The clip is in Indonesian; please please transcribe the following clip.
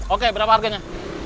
oke berapa harganya